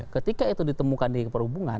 ketika itu ditemukan di perhubungan